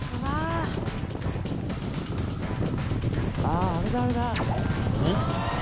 あああれだあれだ！